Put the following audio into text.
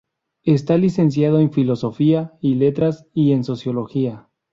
Está licenciado en Filosofía y Letras y en Sociología.